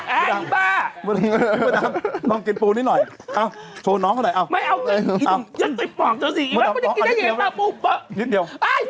อ่าวพี่พูดำลองกินปูนี้หน่อยทวน้องก่อนหน่อย